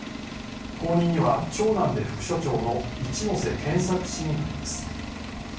後任には長男で副社長の一瀬健作氏になります。